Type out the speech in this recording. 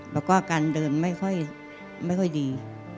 แล้วก็การเดินไม่ค่อยดี